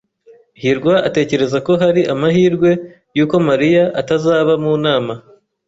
hirwa atekereza ko hari amahirwe yuko Mariya atazaba mu nama.